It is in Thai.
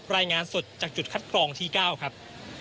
รายงานสดจากจุดคัดกรองที่๙ครับ